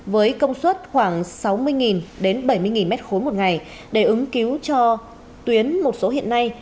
với công suất khoảng sáu mươi đến bảy mươi m ba một ngày để ứng cứu cho tuyến một số hiện nay